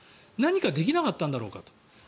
何かできなかったんだろうかと。